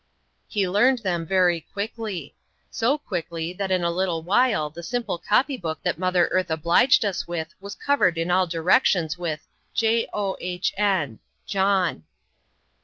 He learned them very quickly so quickly, that in a little while the simple copy book that Mother Earth obliged us with was covered in all directions with "J O H N John."